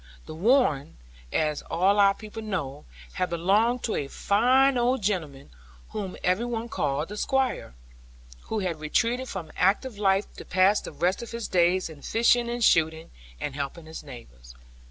The Warren, as all our people know, had belonged to a fine old gentleman, whom every one called 'The Squire,' who had retreated from active life to pass the rest of his days in fishing, and shooting, and helping his neighbours.